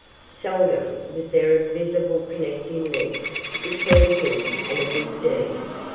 Seldom was there a visible connecting link between him and a good deed.